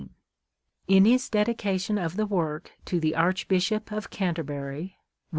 In his dedication of the work to the Arch bishop of Canterbury, Wm.